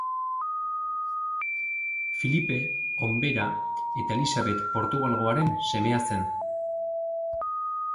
Filipe Onbera eta Elisabet Portugalgoaren semea zen.